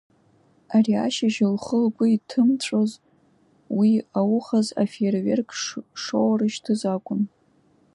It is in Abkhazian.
Ари ашьыжь лхы-лгәы иҭымҵәоз уи аухаз афеиерверк шоурышьҭыз акәын.